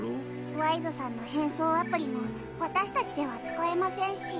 ワイズさんの変装アプリも私たちでは使えませんし。